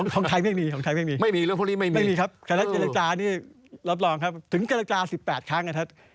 ของไทยไม่มีไม่มีครับฆาตเจรจานี่รับรองครับถึงเจรจา๑๘ครั้ง